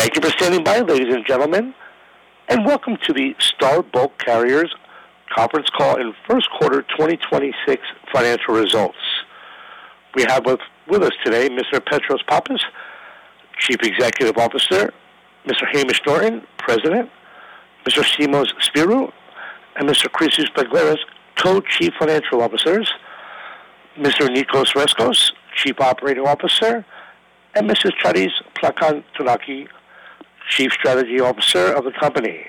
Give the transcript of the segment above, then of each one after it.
Thank you for standing by, ladies and gentlemen, and welcome to the Star Bulk Carriers conference call and first quarter 2026 financial results. We have with us today Mr. Petros Pappas, Chief Executive Officer, Mr. Hamish Norton, President, Mr. Simos Spyrou, and Mr. Christos Begleris, Co-Chief Financial Officers, Mr. Nicos Rescos, Chief Operating Officer, and Mrs. Charis Plakantonaki, Chief Strategy Officer of the company.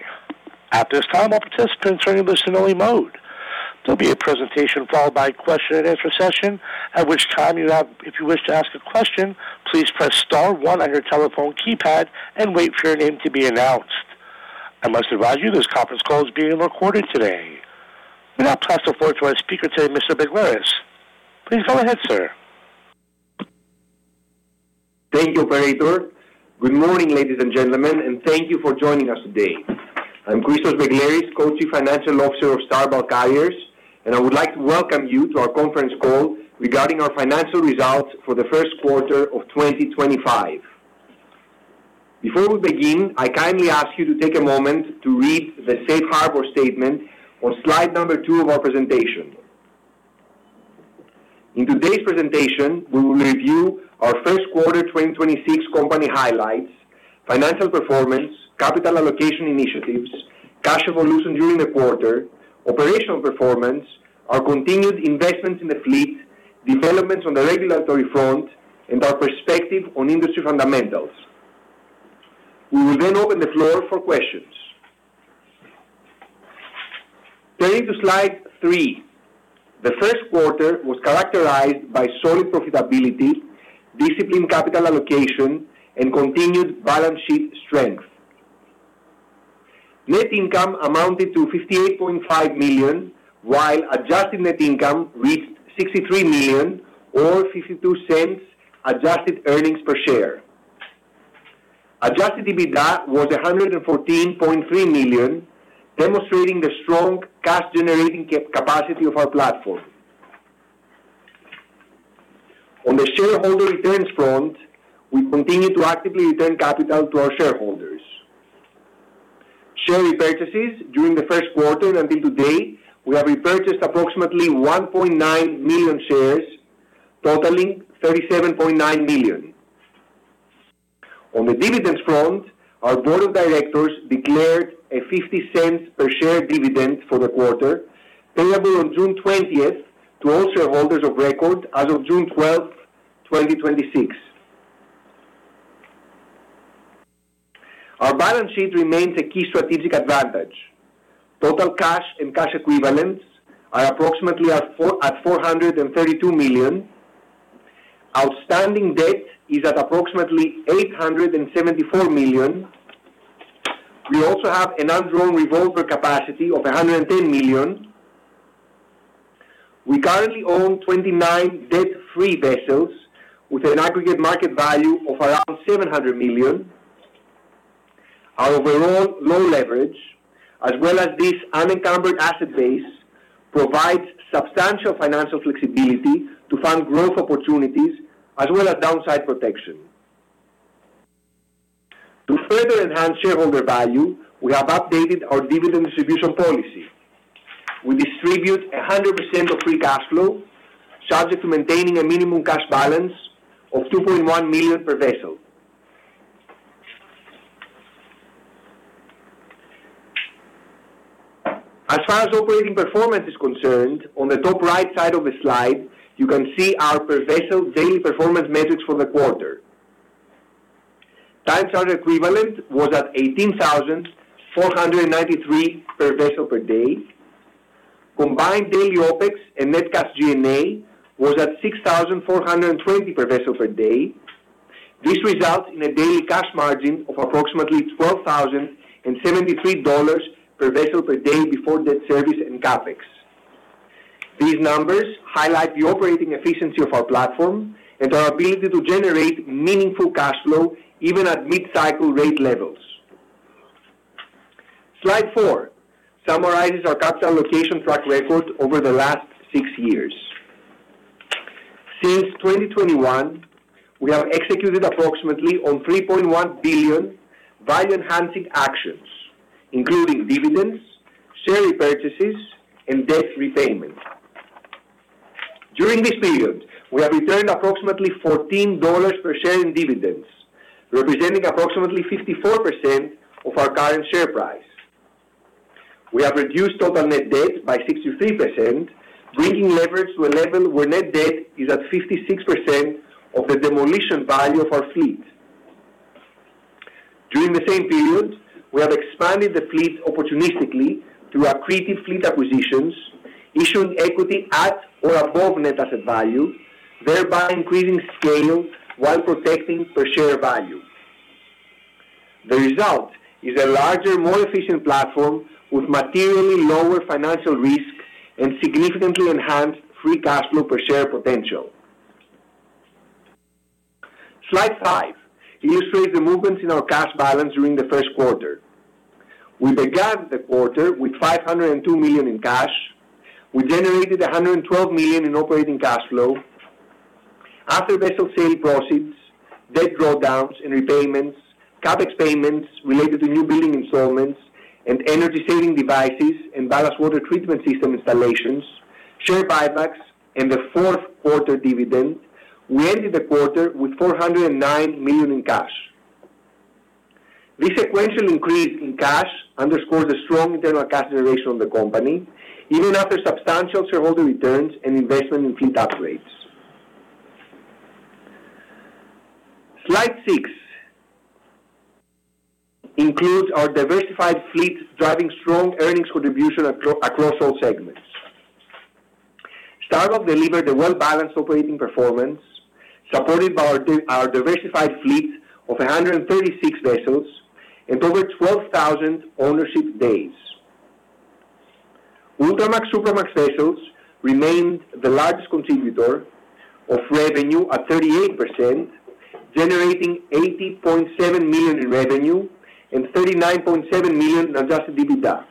At this time, all participants are in listen-only mode. There'll be a presentation followed by a question and answer session, at which time, if you wish to ask a question, please press star one on your telephone keypad and wait for your name to be announced. I must advise you, this conference call is being recorded today. Without further ado, our speaker today, Mr. Begleris. Please go ahead, sir. Thank you, operator. Good morning, ladies and gentlemen, and thank you for joining us today. I'm Christos Begleris, Co-Chief Financial Officer of Star Bulk Carriers, and I would like to welcome you to our conference call regarding our financial results for the first quarter of 2025. Before we begin, I kindly ask you to take a moment to read the Safe Harbor statement on slide two of our presentation. In today's presentation, we will review our first quarter 2026 company highlights, financial performance, capital allocation initiatives, cash evolution during the quarter, operational performance, our continued investments in the fleet, developments on the regulatory front, and our perspective on industry fundamentals. We will then open the floor for questions. Turning to slide three. The first quarter was characterized by solid profitability, disciplined capital allocation, and continued balance sheet strength. Net income amounted to $58.5 million, while adjusted net income reached $63 million or $0.52 adjusted earnings per share. Adjusted EBITDA was $114.3 million, demonstrating the strong cash-generating capacity of our platform. On the shareholder returns front, we continue to actively return capital to our shareholders. Share repurchases during the first quarter and until today, we have repurchased approximately 1.9 million shares, totaling $37.9 million. On the dividends front, our board of directors declared a $0.50 per share dividend for the quarter, payable on June 20th to all shareholders of record as of June 12th, 2026. Our balance sheet remains a key strategic advantage. Total cash and cash equivalents are approximately at $432 million. Outstanding debt is at approximately $874 million. We also have an undrawn revolver capacity of $110 million. We currently own 29 debt-free vessels with an aggregate market value of around $700 million. Our overall low leverage, as well as this unencumbered asset base, provides substantial financial flexibility to fund growth opportunities as well as downside protection. To further enhance shareholder value, we have updated our dividend distribution policy. We distribute 100% of free cash flow, subject to maintaining a minimum cash balance of $2.1 million per vessel. As far as operating performance is concerned, on the top right side of the slide, you can see our per-vessel daily performance metrics for the quarter. Time charter equivalent was at $18,493 per vessel per day. Combined daily OpEx and net cash G&A was at $6,420 per vessel per day. This results in a daily cash margin of approximately $12,073 per vessel per day before debt service and CapEx. These numbers highlight the operating efficiency of our platform and our ability to generate meaningful cash flow even at mid-cycle rate levels. Slide four summarizes our capital allocation track record over the last six years. Since 2021, we have executed approximately on $3.1 billion value-enhancing actions, including dividends, share repurchases, and debt repayment. During this period, we have returned approximately $14 per share in dividends, representing approximately 54% of our current share price. We have reduced total net debt by 63%, bringing leverage to a level where net debt is at 56% of the demolition value of our fleet. During the same period, we have expanded the fleet opportunistically through accretive fleet acquisitions, issuing equity at or above net asset value, thereby increasing scale while protecting per share value. The result is a larger, more efficient platform with materially lower financial risk and significantly enhanced free cash flow per share potential. Slide five illustrates the movements in our cash balance during the first quarter. We began the quarter with $502 million in cash. We generated $112 million in operating cash flow. After vessel sale proceeds, debt drawdowns and repayments, CapEx payments related to new building installments and energy-saving devices and ballast water treatment system installations, share buybacks and the fourth quarter dividend, we ended the quarter with $409 million in cash. This sequential increase in cash underscores the strong internal cash generation of the company, even after substantial shareholder returns and investment in fleet upgrades. Slide six includes our diversified fleet driving strong earnings contribution across all segments. Star Bulk delivered a well-balanced operating performance, supported by our diversified fleet of 136 vessels and over 12,000 ownership days. Ultramax/Supramax vessels remained the largest contributor of revenue at 38%, generating $80.7 million in revenue and $39.7 million in adjusted EBITDA.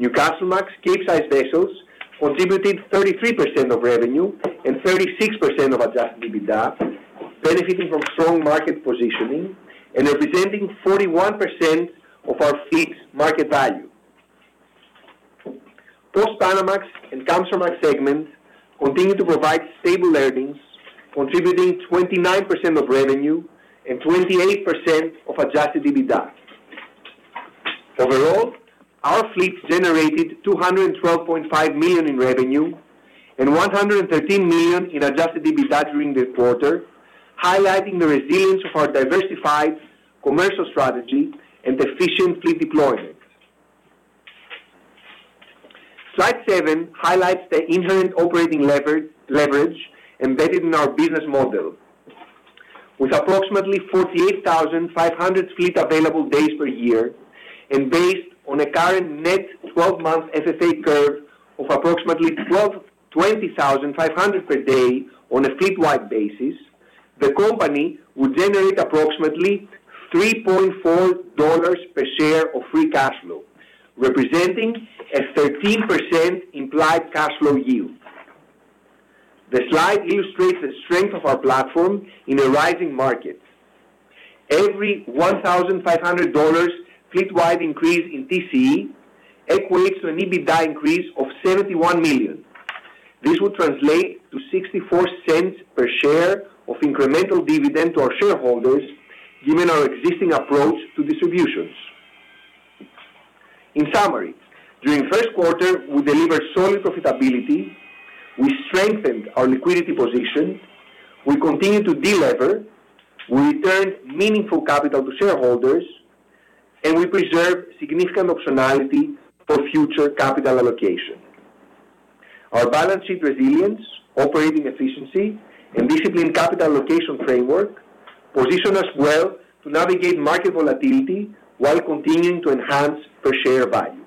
Newcastlemax/Capesize vessels contributed 33% of revenue and 36% of adjusted EBITDA, benefiting from strong market positioning and representing 41% of our fleet's market value. Post-Panamax and Kamsarmax segments continue to provide stable earnings, contributing 29% of revenue and 28% of adjusted EBITDA. Overall, our fleet generated $212.5 million in revenue and $113 million in adjusted EBITDA during the quarter, highlighting the resilience of our diversified commercial strategy and efficient fleet deployment. Slide seven highlights the inherent operating leverage embedded in our business model. With approximately 48,500 fleet available days per year and based on a current net 12-month FFA curve of approximately $20,500 per day on a fleet-wide basis, the company would generate approximately $3.4 per share of free cash flow, representing a 13% implied cash flow yield. The slide illustrates the strength of our platform in a rising market. Every $1,500 fleet-wide increase in TCE equates to an EBITDA increase of $71 million. This would translate to $0.64 per share of incremental dividend to our shareholders, given our existing approach to distributions. In summary, during the first quarter, we delivered solid profitability, we strengthened our liquidity position, we continued to delever, we returned meaningful capital to shareholders, we preserved significant optionality for future capital allocation. Our balance sheet resilience, operating efficiency, and disciplined capital allocation framework position us well to navigate market volatility while continuing to enhance per-share value.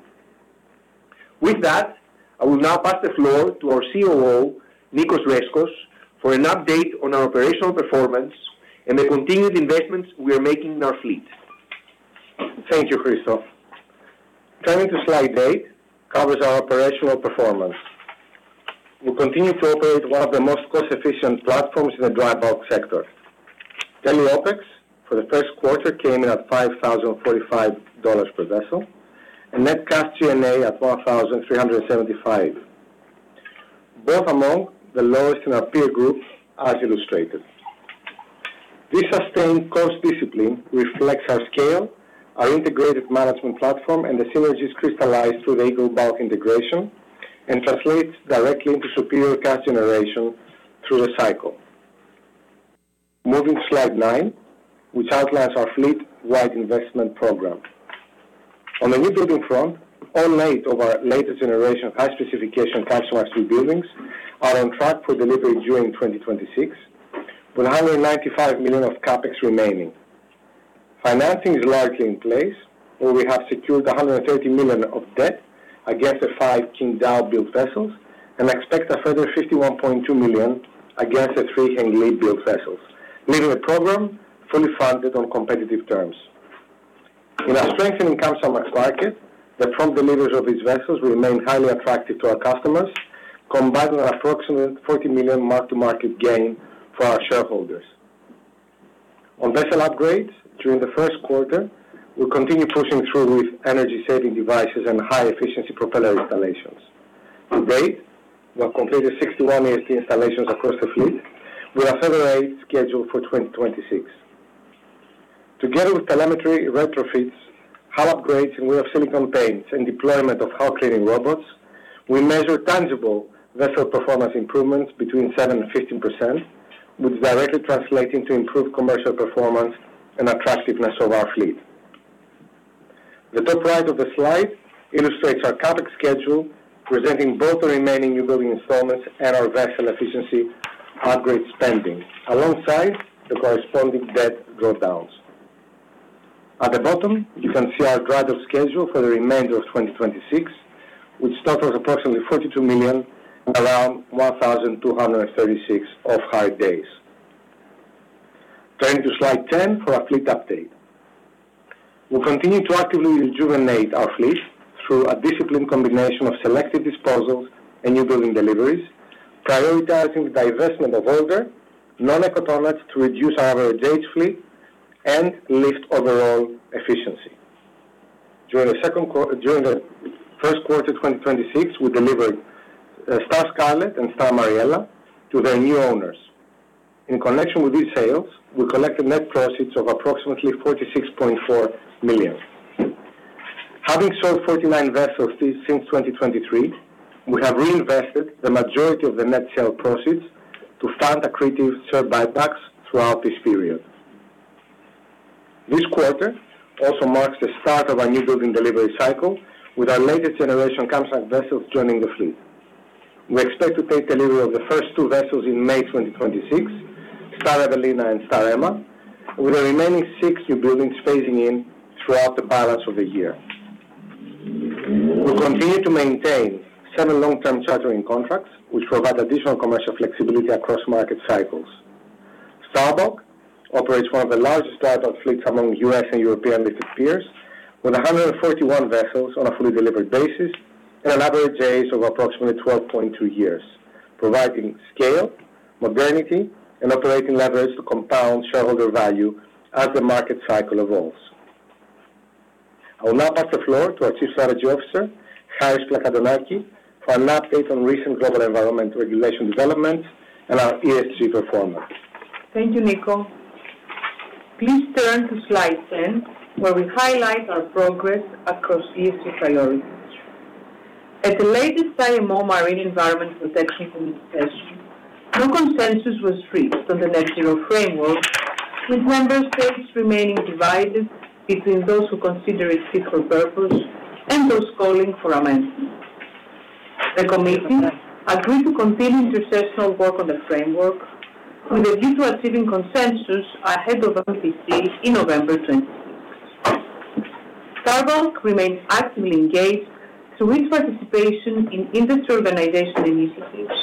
With that, I will now pass the floor to our COO, Nicos Rescos, for an update on our operational performance and the continued investments we are making in our fleet. Thank you, Christos. Turning to slide eight, covers our operational performance. We continue to operate one of the most cost-efficient platforms in the dry bulk sector. Daily OpEx for the first quarter came in at $5,045 per vessel and net cash G&A at $1,375, both among the lowest in our peer group, as illustrated. This sustained cost discipline reflects our scale, our integrated management platform, and the synergies crystallized through the Eagle Bulk integration and translates directly into superior cash generation through the cycle. Moving to slide nine, which outlines our fleet-wide investment program. On the new building front, all eight of our latest generation of high-specification Kamsarmax newbuildings are on track for delivery during 2026, with $195 million of CapEx remaining. Financing is largely in place, where we have secured $130 million of debt against the five Qingdao-built vessels and expect a further $51.2 million against the three Hengli-built vessels, leaving the program fully funded on competitive terms. In our strengthening Kamsarmax market, the front deliveries of these vessels will remain highly attractive to our customers, combined with an approximate $40 million mark-to-market gain for our shareholders. On vessel upgrades, during the first quarter, we continued pushing through with energy-saving devices and high-efficiency propeller installations. To date, we have completed 61 ESD installations across the fleet, with a further eight scheduled for 2026. Together with telemetry retrofits, hull upgrades in way of silicone paints, and deployment of hull cleaning robots, we measure tangible vessel performance improvements between 7% and 15%, which is directly translating to improved commercial performance and attractiveness of our fleet. The top right of the slide illustrates our CapEx schedule, presenting both the remaining new building installments and our vessel efficiency upgrade spending alongside the corresponding debt drawdowns. At the bottom, you can see our drydock schedule for the remainder of 2026, which totals approximately $42 million and around 1,236 off-hire days. Turn to slide 10 for our fleet update. We'll continue to actively rejuvenate our fleet through a disciplined combination of selective disposals and new building deliveries, prioritizing divestment of older, non-eco to reduce our average age fleet and lift overall efficiency. During the first quarter of 2026, we delivered Star Scarlett and Star Mariella to their new owners. In connection with these sales, we collected net proceeds of approximately $46.4 million. Having sold 49 vessels since 2023, we have reinvested the majority of the net sale proceeds to fund accretive share buybacks throughout this period. This quarter also marks the start of our new building delivery cycle with our latest generation Capesize vessels joining the fleet. We expect to take delivery of the first two vessels in May 2026, Star Evelina and Star Emma, with the remaining six newbuildings phasing in throughout the balance of the year. We'll continue to maintain seven long-term chartering contracts, which provide additional commercial flexibility across market cycles. Star Bulk operates one of the largest dry bulk fleets among U.S. and European listed peers, with 141 vessels on a fully delivered basis and an average age of approximately 12.2 years, providing scale, modernity, and operating leverage to compound shareholder value as the market cycle evolves. I will now pass the floor to our Chief Strategy Officer, Charis Plakantonaki, for an update on recent global environment regulation development and our ESG performance. Thank you, Nico. Please turn to slide 10, where we highlight our progress across ESG priorities. At the latest IMO Marine Environment Protection Committee session, no consensus was reached on the net-zero framework, with member states remaining divided between those who consider it fit for purpose and those calling for amendment. The committee agreed to continue intersessional work on the framework with a view to achieving consensus ahead of MEPC in November 2026. Star Bulk remains actively engaged through its participation in industry organization initiatives,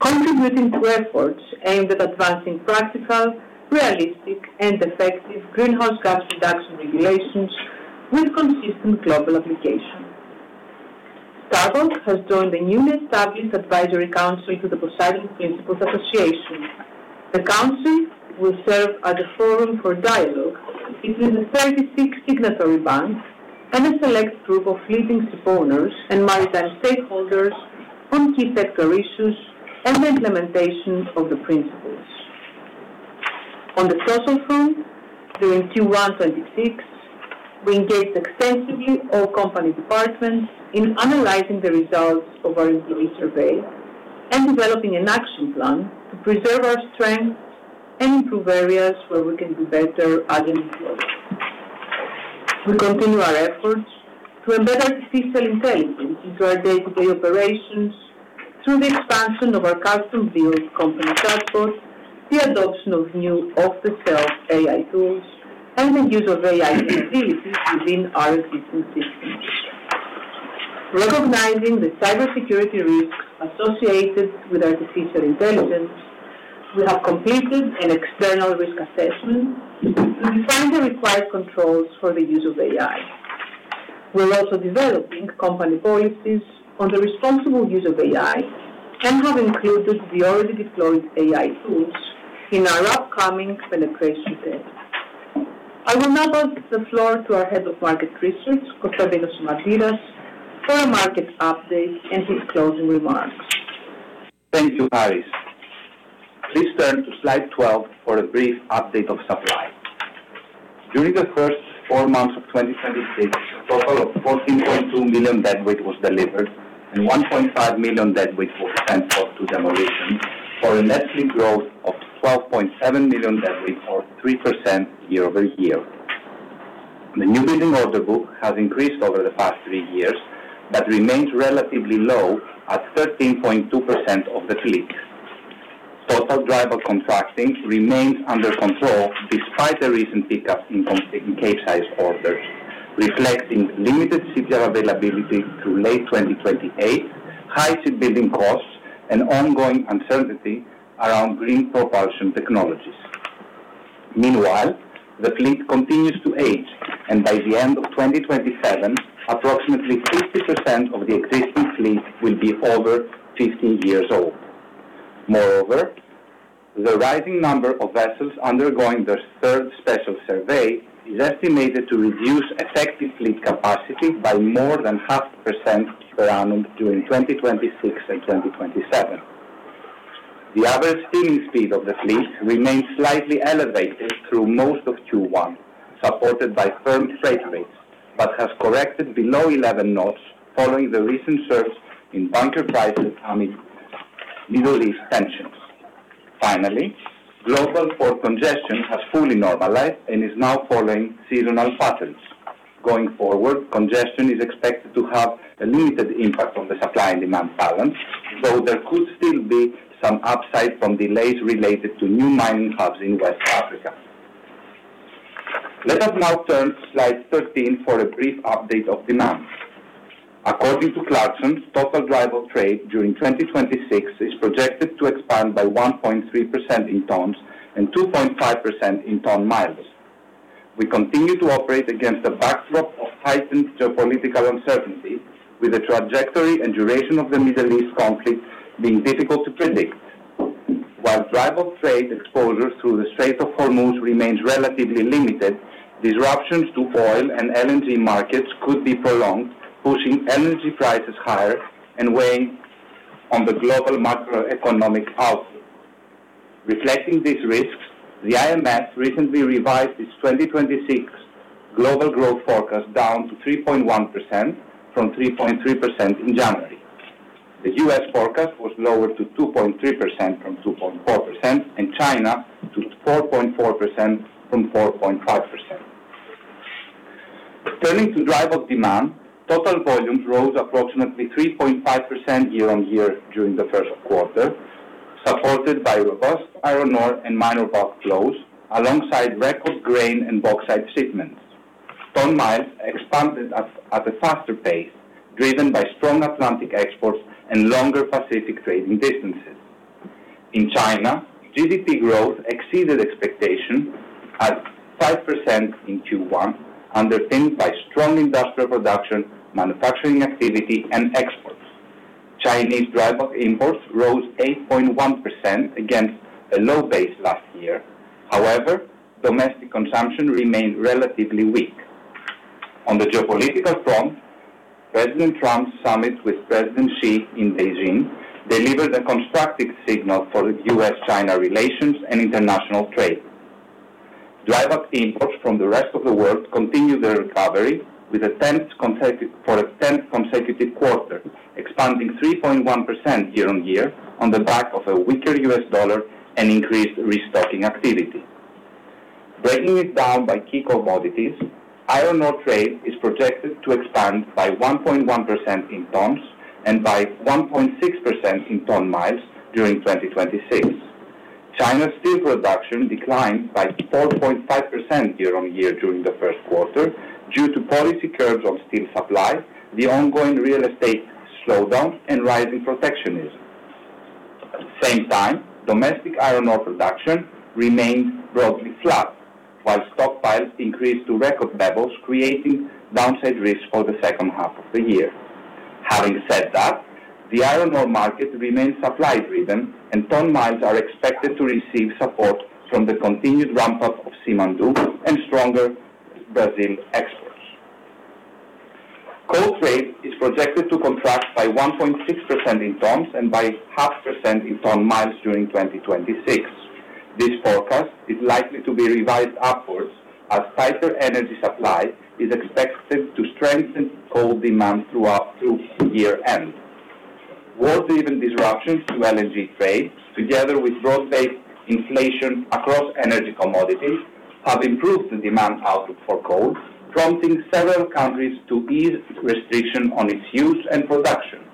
contributing to efforts aimed at advancing practical, realistic and effective greenhouse gas reduction regulations with consistent global application. Star Bulk has joined the newly established advisory council to the Poseidon Principles Association. The council will serve as a forum for dialogue between the 36 signatory banks and a select group of leading shipowners and maritime stakeholders on key sector issues and the implementation of the principles. On the social front, during Q1 2026, we engaged extensively all company departments in analyzing the results of our employee survey and developing an action plan to preserve our strengths and improve areas where we can do better as an employer. We continue our efforts to embed artificial intelligence into our day-to-day operations through the expansion of our custom-built company chatbot, the adoption of new off-the-shelf AI tools, and the use of AI capabilities within our existing systems. Recognizing the cybersecurity risks associated with artificial intelligence, we have completed an external risk assessment and defined the required controls for the use of AI. We're also developing company policies on the responsible use of AI and have included the already deployed AI tools in our upcoming penetration test. I will now pass the floor to our Head of Market Research, Constantinos Simantiras, for a market update and his closing remarks. Thank you, Charis. Please turn to slide 12 for a brief update of supply. During the first four months of 2026, a total of 14.2 million deadweight was delivered and 1.5 million deadweight was scrapped to demolition for a net fleet growth of 12.7 million deadweight or 3% year-over-year. The newbuilding order book has increased over the past three years, but remains relatively low at 13.2% of the fleet. Total dry bulk contracting remains under control despite the recent pickup in Capesize orders, reflecting limited shipyard availability through late 2028, high shipbuilding costs, and ongoing uncertainty around green propulsion technologies. Meanwhile, the fleet continues to age, and by the end of 2027, approximately 50% of the existing fleet will be over 15 years old. Moreover, the rising number of vessels undergoing their third special survey is estimated to reduce effective fleet capacity by more than 0.5% per annum during 2026 and 2027. The average steaming speed of the fleet remained slightly elevated through most of Q1, supported by firm freight rates, but has corrected below 11 knots following the recent surge in bunker prices amid Middle East tensions. Finally, global port congestion has fully normalized and is now following seasonal patterns. Going forward, congestion is expected to have a limited impact on the supply and demand balance, though there could still be some upside from delays related to new mining hubs in West Africa. Let us now turn to slide 13 for a brief update of demand. According to Clarksons, total dry bulk trade during 2026 is projected to expand by 1.3% in tons and 2.5% in ton-miles. We continue to operate against a backdrop of heightened geopolitical uncertainty, with the trajectory and duration of the Middle East conflict being difficult to predict. While dry bulk trade exposure through the Strait of Hormuz remains relatively limited, disruptions to oil and LNG markets could be prolonged, pushing energy prices higher and weighing on the global macroeconomic outlook. Reflecting these risks, the IMF recently revised its 2026 global growth forecast down to 3.1% from 3.3% in January. The U.S. forecast was lowered to 2.3% from 2.4%, and China to 4.4% from 4.5%. Turning to dry bulk demand, total volumes rose approximately 3.5% year-on-year during the first quarter, supported by robust iron ore and minor bulk flows alongside record grain and bauxite shipments. Ton-miles expanded at a faster pace, driven by strong Atlantic exports and longer Pacific trading distances. In China, GDP growth exceeded expectations at 5% in Q1, underpinned by strong industrial production, manufacturing activity, and exports. Chinese dry bulk imports rose 8.1% against a low base last year. Domestic consumption remained relatively weak. On the geopolitical front, President Trump's summit with President Xi in Beijing delivered a constructive signal for U.S.-China relations and international trade. Dry bulk imports from the rest of the world continued their recovery for the 10th consecutive quarter, expanding 3.1% year-on-year on the back of a weaker U.S. dollar and increased restocking activity. Breaking it down by key commodities, iron ore trade is projected to expand by 1.1% in tons and by 1.6% in ton-miles during 2026. China's steel production declined by 4.5% year-on-year during the first quarter due to policy curbs on steel supply, the ongoing real estate slowdown, and rising protectionism. At the same time, domestic iron ore production remained broadly flat, while stockpiles increased to record levels, creating downside risks for the second half of the year. Having said that, the iron ore market remains supply-driven, and ton-miles are expected to receive support from the continued ramp-up of Simandou and stronger Brazil exports. Coal trade is projected to contract by 1.6% in tons and by 0.5% in ton-miles during 2026. This forecast is likely to be revised upwards as tighter energy supply is expected to strengthen coal demand through year-end. War-driven disruptions to LNG trade, together with broad-based inflation across energy commodities, have improved the demand outlook for coal, prompting several countries to ease restrictions on its use and production.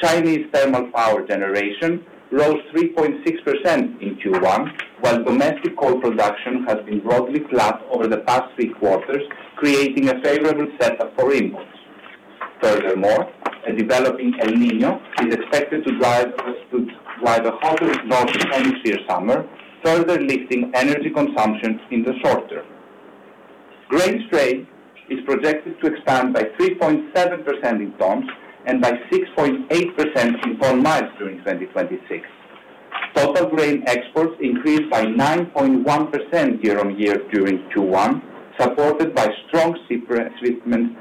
Chinese thermal power generation rose 3.6% in Q1, while domestic coal production has been broadly flat over the past three quarters, creating a favorable setup for imports. Furthermore, a developing El Niño is expected to drive a hotter northern hemisphere summer, further lifting energy consumption in the short term. Grain trade is projected to expand by 3.7% in tons and by 6.8% in ton-miles during 2026. Total grain exports increased by 9.1% year-on-year during Q1, supported by strong shipments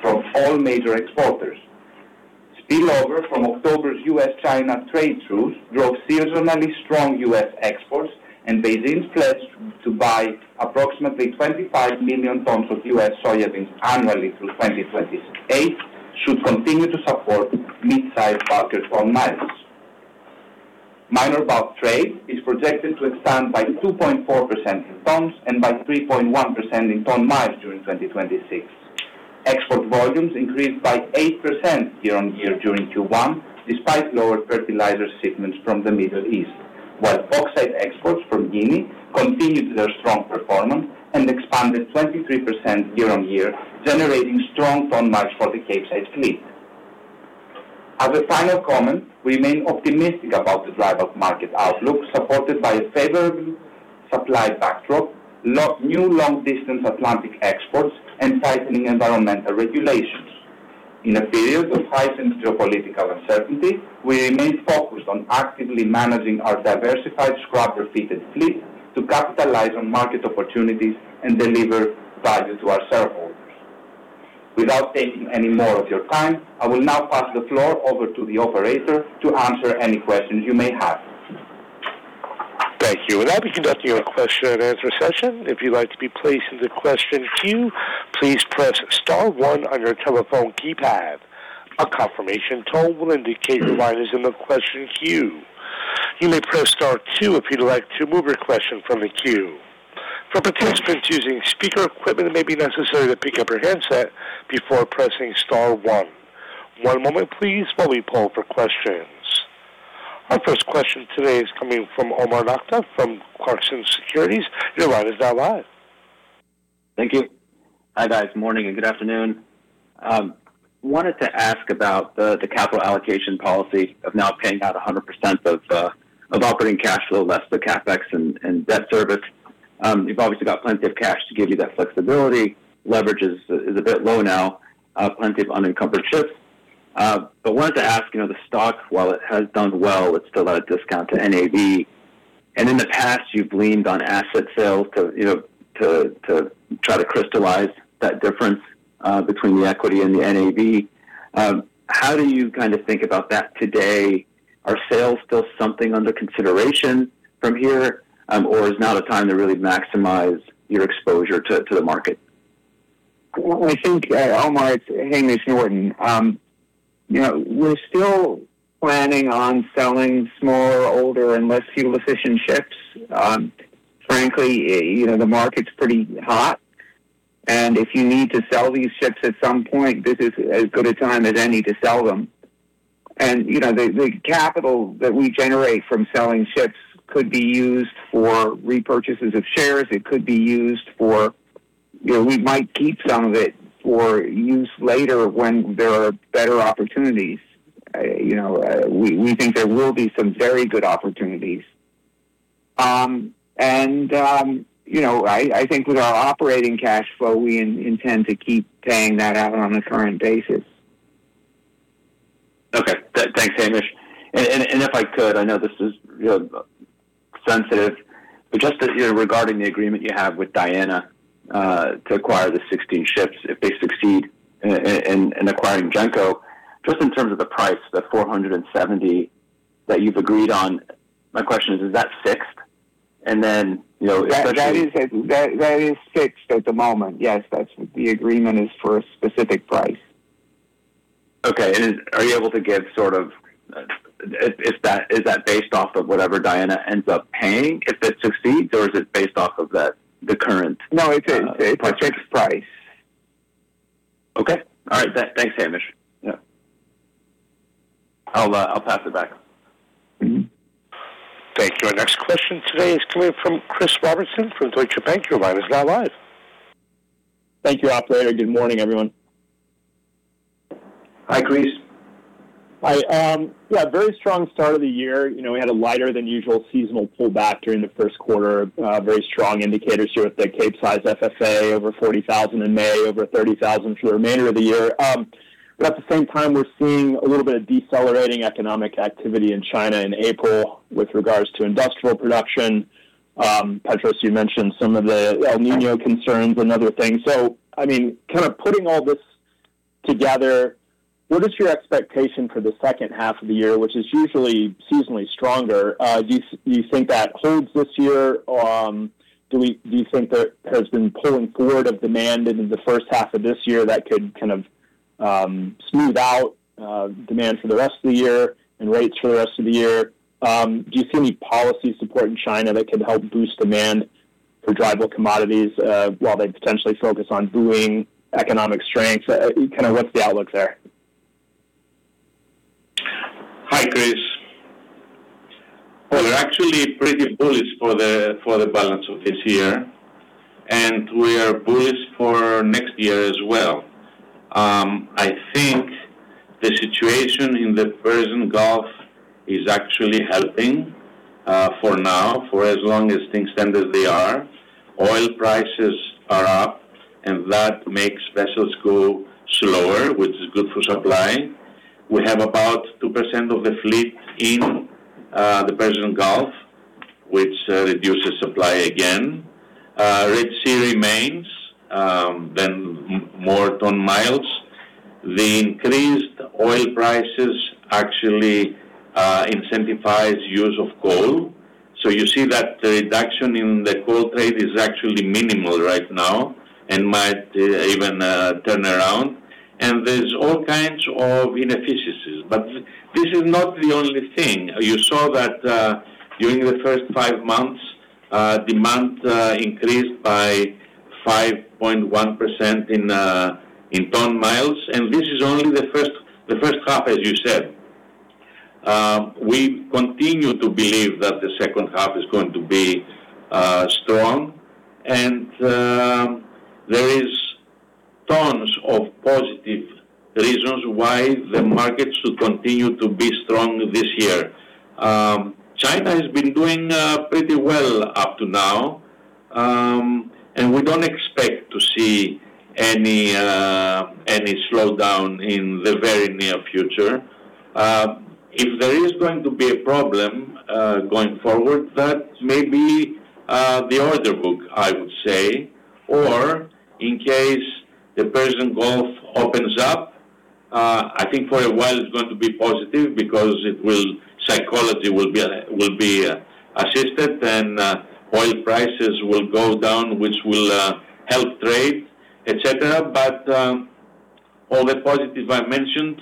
from all major exporters. Spillover from October's U.S.-China trade truce drove seasonally strong U.S. exports, and Beijing's pledge to buy approximately 25 million tons of U.S. soybeans annually through 2028 should continue to support midsize bulkers' ton-miles. Minor bulk trade is projected to expand by 2.4% in tons and by 3.1% in ton-miles during 2026. Export volumes increased by 8% year-on-year during Q1, despite lower fertilizer shipments from the Middle East, while bauxite exports from Guinea continued their strong performance and expanded 23% year-on-year, generating strong ton-miles for the Capesize fleet. As a final comment, we remain optimistic about the dry bulk market outlook, supported by a favorable supply backdrop, new long-distance Atlantic exports, and tightening environmental regulations. In a period of heightened geopolitical uncertainty, we remain focused on actively managing our diversified scrubber-fitted fleet to capitalize on market opportunities and deliver value to our shareholders. Without taking any more of your time, I will now pass the floor over to the operator to answer any questions you may have. Thank you. Now we conduct your question-and-answer session. If you'd like to be placed in the question queue, please press star one on your telephone keypad. A confirmation tone will indicate your line is in the question queue. You may press star two if you'd like to remove your question from the queue. For participants using speaker equipment, it may be necessary to pick up your handset before pressing star one. One moment, please, while we poll for questions. Our first question today is coming from Omar Nokta from Clarksons Securities. Your line is now live. Thank you. Hi, guys. Morning and good afternoon. Wanted to ask about the capital allocation policy of now paying out 100% of operating cash flow less the CapEx and debt service. You've obviously got plenty of cash to give you that flexibility. Leverage is a bit low now, plenty of unencumbered ships. Wanted to ask, the stock, while it has done well, it's still at a discount to NAV. In the past, you've leaned on asset sales to try to crystallize that difference between the equity and the NAV. How do you think about that today? Are sales still something under consideration from here? Is now the time to really maximize your exposure to the market? Well, I think, Omar, it's Hamish Norton. We're still planning on selling smaller, older, and less fuel-efficient ships. Frankly, the market's pretty hot, and if you need to sell these ships at some point, this is as good a time as any to sell them. The capital that we generate from selling ships could be used for repurchases of shares. We might keep some of it for use later when there are better opportunities. We think there will be some very good opportunities. I think with our operating cash flow, we intend to keep paying that out on a current basis. Okay. Thanks, Hamish. If I could, I know this is sensitive, but just regarding the agreement you have with Diana to acquire the 16 ships, if they succeed in acquiring Genco, just in terms of the price, the $470 million that you've agreed on, my question is that fixed? That is fixed at the moment. Yes, the agreement is for a specific price. Okay. Are you able to give sort of Is that based off of whatever Diana ends up paying if it succeeds, or is it based off of the current price? No, it's a fixed price. Okay. All right. Thanks, Hamish. Yeah. I'll pass it back. Thank you. Our next question today is coming from Chris Robertson from Deutsche Bank. Your line is now live. Thank you, operator. Good morning, everyone. Hi, Chris. Hi. Yeah, very strong start of the year. We had a lighter than usual seasonal pullback during the first quarter. Very strong indicators here with the Capesize FFA over $40,000 in May, over $30,000 for the remainder of the year. At the same time, we're seeing a little bit of decelerating economic activity in China in April with regards to industrial production. Petros, you mentioned some of the El Niño concerns and other things. Putting all this together, what is your expectation for the second half of the year, which is usually seasonally stronger? Do you think that holds this year? Do you think there has been pulling forward of demand into the first half of this year that could kind of smooth out demand for the rest of the year and rates for the rest of the year? Do you see any policy support in China that could help boost demand for dry bulk commodities while they potentially focus on buoying economic strength? What's the outlook there? Hi, Chris. Well, we're actually pretty bullish for the balance of this year, and we are bullish for next year as well. I think the situation in the Persian Gulf is actually helping for now, for as long as things stand as they are. Oil prices are up, and that makes vessels go slower, which is good for supply. We have about 2% of the fleet in the Persian Gulf, which reduces supply again. Red Sea remains, more ton-miles. The increased oil prices actually incentivize use of coal. You see that the reduction in the coal trade is actually minimal right now and might even turn around. There's all kinds of inefficiencies, but this is not the only thing. You saw that during the first five months, demand increased by 5.1% in ton-miles, and this is only the first half, as you said. We continue to believe that the second half is going to be strong. There is tons of positive reasons why the market should continue to be strong this year. China has been doing pretty well up to now. We don't expect to see any slowdown in the very near future. If there is going to be a problem going forward, that may be the order book, I would say, or in case the Persian Gulf opens up. I think for a while it's going to be positive because psychology will be assisted and oil prices will go down, which will help trade, et cetera. All the positives I mentioned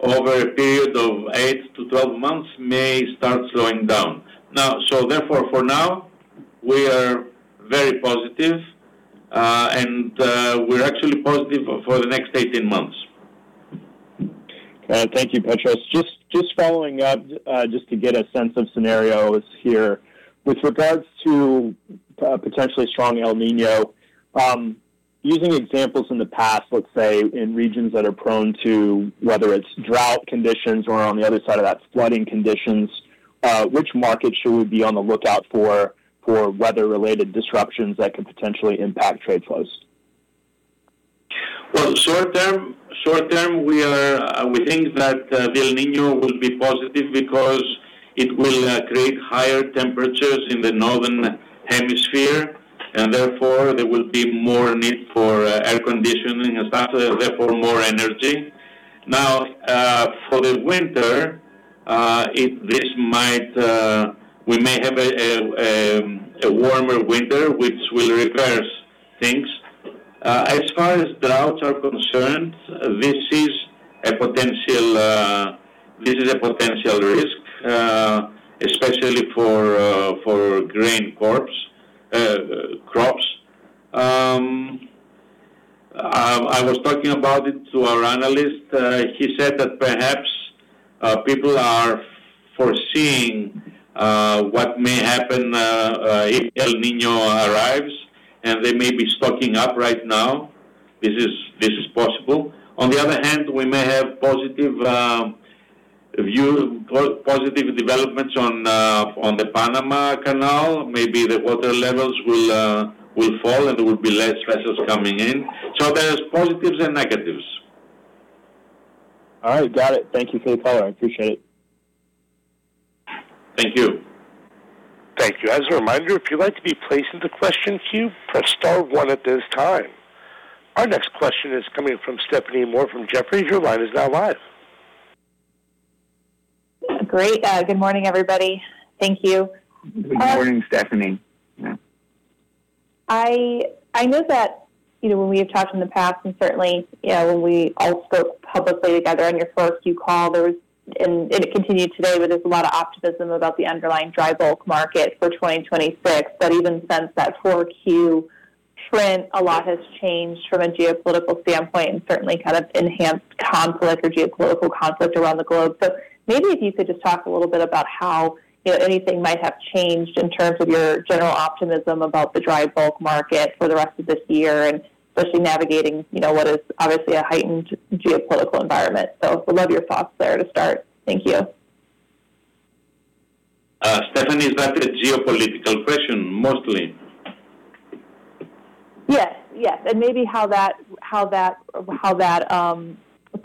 over a period of 8-12 months may start slowing down. Therefore, for now, we are very positive. We're actually positive for the next 18 months. Thank you, Petros. Just following up, just to get a sense of scenarios here. With regards to a potentially strong El Niño, using examples from the past, let's say, in regions that are prone to whether it's drought conditions or on the other side of that, flooding conditions, which markets should we be on the lookout for weather-related disruptions that could potentially impact trade flows? Well, short-term, we think that El Niño will be positive because it will create higher temperatures in the northern hemisphere. Therefore, there will be more need for air conditioning and stuff. Therefore, more energy. Now, for the winter, we may have a warmer winter, which will reverse things. As far as droughts are concerned, this is a potential risk, especially for grain crops. I was talking about it to our analyst. He said that perhaps people are foreseeing what may happen if El Niño arrives. They may be stocking up right now. This is possible. On the other hand, we may have positive developments on the Panama Canal. Maybe the water levels will fall. There will be less vessels coming in. There's positives and negatives. All right. Got it. Thank you for the color. I appreciate it. Thank you. Thank you. As a reminder, if you'd like to be placed into question queue, press star one at this time. Our next question is coming from Stephanie Moore from Jefferies. Your line is now live. Great. Good morning, everybody. Thank you. Good morning, Stephanie. Yeah. I know that when we have talked in the past, and certainly, when we all spoke publicly together on your first quarter call, and it continued today, where there's a lot of optimism about the underlying dry bulk market for 2026, but even since that 4Q trend, a lot has changed from a geopolitical standpoint and certainly kind of enhanced conflict or geopolitical conflict around the globe. Maybe if you could just talk a little bit about how anything might have changed in terms of your general optimism about the dry bulk market for the rest of this year, and especially navigating what is obviously a heightened geopolitical environment. Would love your thoughts there to start. Thank you. Stephanie, is that a geopolitical question, mostly? Yes. Maybe how that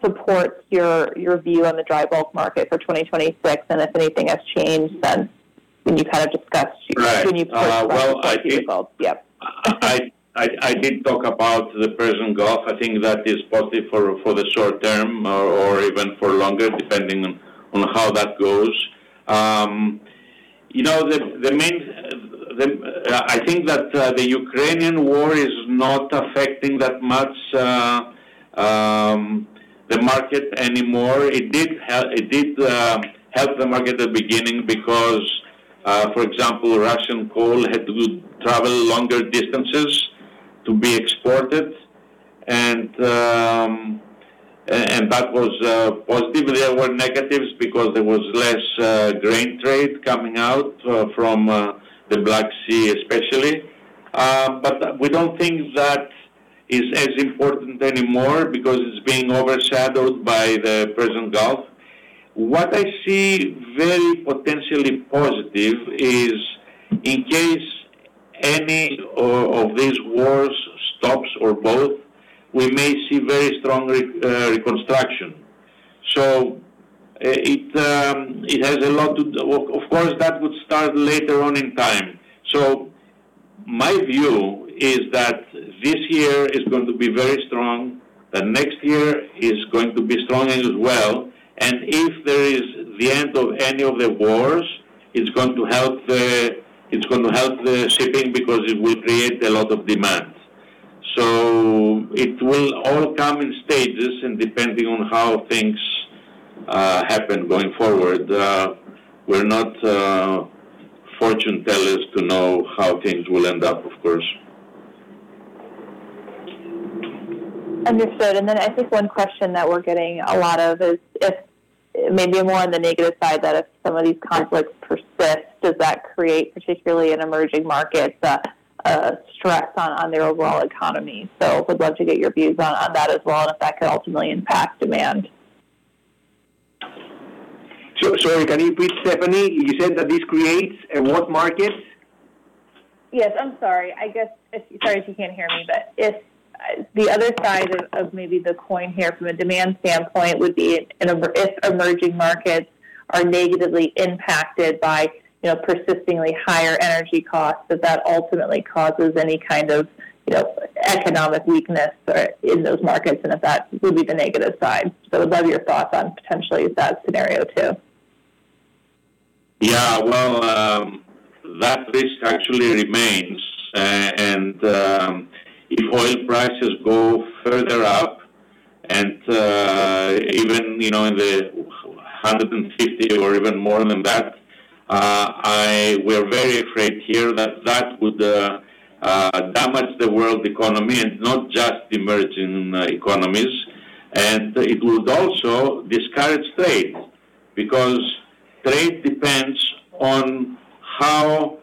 supports your view on the dry bulk market for 2026, and if anything has changed since when you first addressed it yourself. Right. Well. Yeah I did talk about the Persian Gulf. I think that is positive for the short term or even for longer, depending on how that goes. I think that the Ukrainian war is not affecting the market that much anymore. It did help the market at the beginning because, for example, Russian coal had to travel longer distances to be exported. That was positive. There were negatives because there was less grain trade coming out from the Black Sea, especially. We don't think that is as important anymore because it's being overshadowed by the Persian Gulf. What I see very potentially positive is, in case any of these wars stops or both, we may see very strong reconstruction. Of course, that would start later on in time. My view is that this year is going to be very strong, that next year is going to be strong as well, and if there is the end of any of the wars, it's going to help the shipping because it will create a lot of demand. It will all come in stages and depending on how things happen going forward. We're not fortune tellers to know how things will end up, of course. Understood. I think one question that we're getting a lot of is if, maybe more on the negative side, that if some of these conflicts persist, does that create, particularly in emerging markets, a stress on their overall economy? Would love to get your views on that as well, and if that could ultimately impact demand. Sorry, can you repeat, Stephanie? You said that this creates what markets? Yes. I'm sorry. Sorry if you can't hear me, but if the other side of maybe the coin here from a demand standpoint would be if emerging markets are negatively impacted by persisting higher energy costs, does that ultimately cause any kind of economic weakness in those markets, and if that would be the negative side? Would love your thoughts on potentially that scenario, too. Yeah. Well, that risk actually remains. If oil prices go further up and even in the $150 or even more than that, we're very afraid here that that would damage the world economy and not just emerging economies. It would also discourage trade, because trade depends on how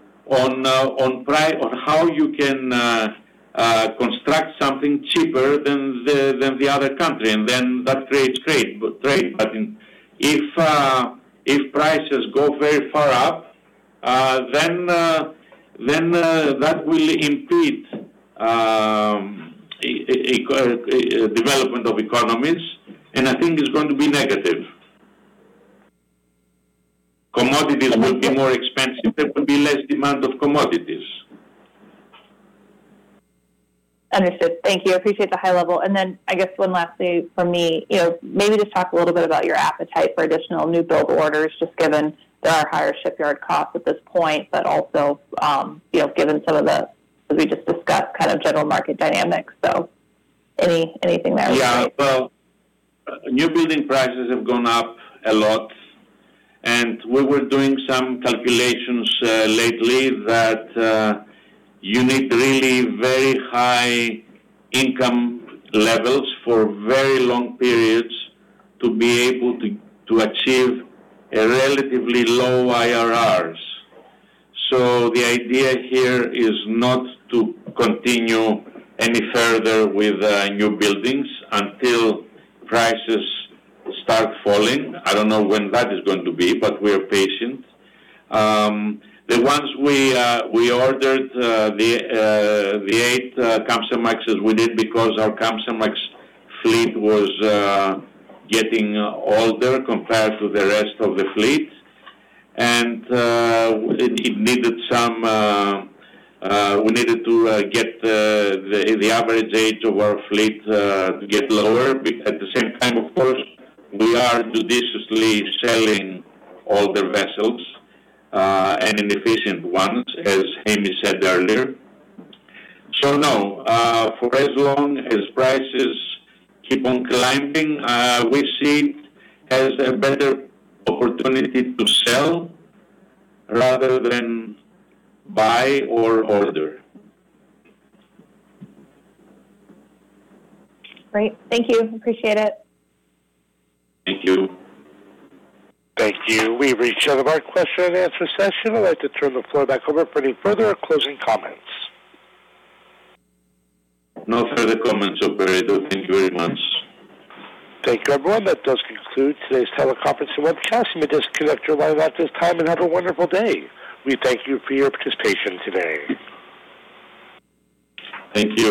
you can construct something cheaper than the other country, and then that creates trade. If prices go very far up, then that will impede development of economies, and I think it's going to be negative. Commodities will be more expensive. There will be less demand of commodities. Understood. Thank you. Appreciate the high level. I guess one lastly from me, maybe just talk a little bit about your appetite for additional new build orders, just given there are higher shipyard costs at this point, also given some of the, as we just discussed, kind of general market dynamics. Anything there would be great. New building prices have gone up a lot, and we were doing some calculations lately that you need really very high income levels for very long periods to be able to achieve a relatively low IRRs. The idea here is not to continue any further with new buildings until prices start falling. I don't know when that is going to be, we're patient. The ones we ordered, the eight Kamsarmaxes we did because our Kamsarmax fleet was getting older compared to the rest of the fleet. We needed to get the average age of our fleet to get lower. At the same time, of course, we are judiciously selling older vessels and inefficient ones, as Hamish said earlier. No, for as long as prices keep on climbing, we see as a better opportunity to sell rather than buy or order. Great. Thank you. Appreciate it. Thank you. Thank you. We've reached the end of our question and answer session. I'd like to turn the floor back over for any further closing comments. No further comments, operator. Thank you very much. Thank you, everyone. That does conclude today's teleconference and webcast. You may disconnect your line at this time, and have a wonderful day. We thank you for your participation today. Thank you.